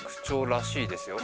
らしいですよ